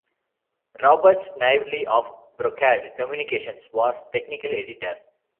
Robert Snively of Brocade Communications was technical editor.